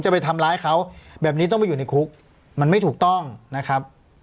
ไปทำร้ายเขาแบบนี้ต้องไปอยู่ในคุกมันไม่ถูกต้องนะครับ